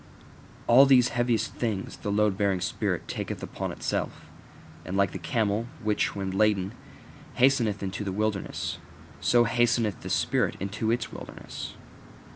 All these heaviest things the load bearing spirit taketh upon itself: and like the camel, which, when laden, hasteneth into the wilderness, so hasteneth the spirit into its wilderness.